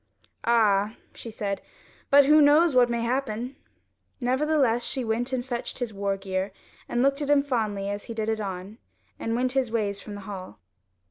"Ah," she said, "but who knows what may happen?" Nevertheless she went and fetched his war gear and looked at him fondly as he did it on, and went his ways from the hall.